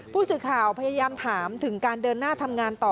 ผู้สื่อข่าวพยายามถามถึงการเดินหน้าทำงานต่อ